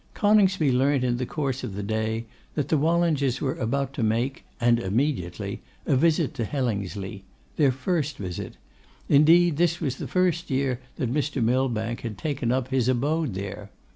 Coningsby learnt in the course of the day that the Wallingers were about to make, and immediately, a visit to Hellingsley; their first visit; indeed, this was the first year that Mr. Millbank had taken up his abode there.